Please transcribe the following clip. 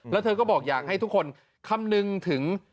แล้วเธอก็บอกอยากให้ทุกคนคำนึงถึง